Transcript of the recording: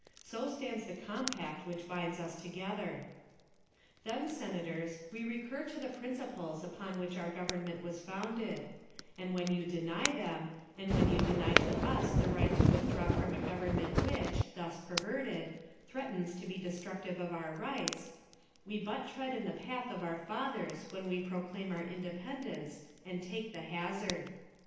So stands the compact which binds us together. "Then, Senators, we recur to the principles upon which our Government was founded; and when you deny them, and when you deny to us the right to withdraw from a Government which, thus perverted, threatens to be destructive of our rights, we but tread in the path of our fathers when we proclaim our independence and take the hazard.